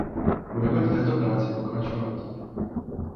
Budeme v této práci pokračovat.